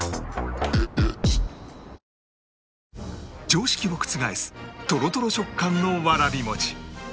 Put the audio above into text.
常識を覆すトロトロ食感のわらび餅